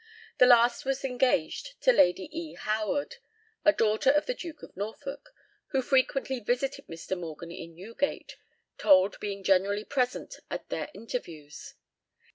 The last was engaged to Lady E Howard, a daughter of the Duke of Norfolk, who frequently visited Mr. Morgan in Newgate, Told being generally present at their interviews.